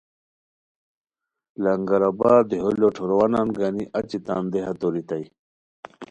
لنگرآباد دیہو لوٹھورووانان گانی اچی تان دیہا توریتائے